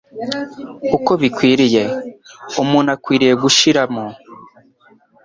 uko bikwiriye. Umuntu akwiriye gushyiramo